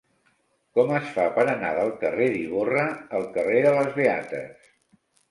Com es fa per anar del carrer d'Ivorra al carrer de les Beates?